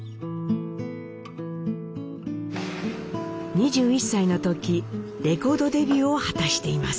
２１歳の時レコードデビューを果たしています。